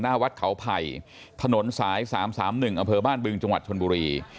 หน้าวัดเขาไผ่ถนนสาย๓๓๑อบ้านบึงจชนบุรี